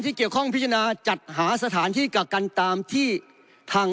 เกี่ยวข้องพิจารณาจัดหาสถานที่กักกันตามที่ทาง